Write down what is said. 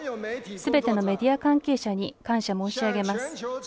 すべてのメディア関係者に感謝申し上げます。